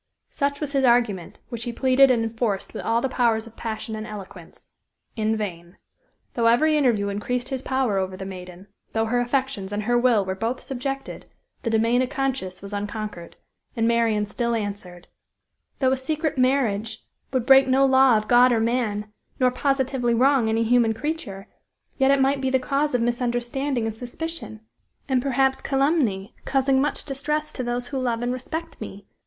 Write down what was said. Such was his argument, which he pleaded and enforced with all the powers of passion and eloquence. In vain. Though every interview increased his power over the maiden though her affections and her will were both subjected, the domain of conscience was unconquered. And Marian still answered: "Though a secret marriage would break no law of God or man, nor positively wrong any human creature, yet it might be the cause of misunderstanding and suspicion and perhaps calumny, causing much distress to those who love and respect me.